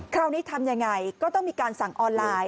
คราวนี้ทำยังไงก็ต้องมีการสั่งออนไลน์